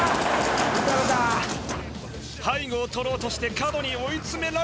背後を取ろうとして角に追い詰められたか？